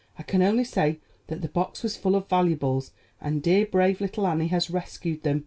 I can only say that the box was full of valuables, and dear, brave little Annie has rescued them.